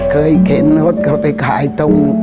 เคยขนาดเขาไปขายตรง